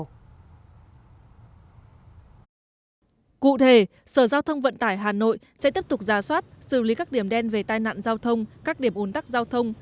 cụ thể sở giao thông vận tải hà nội sẽ tiếp tục ra soát xử lý các điểm đen về tai nạn giao thông các điểm ồn tắc giao thông